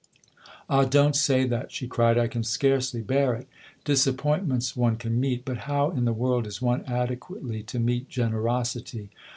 " Ah, don't say that," she cried ;" I can scarcely bear it ! Disappointments one can meet ; but how in the world is one adequately to meet generosity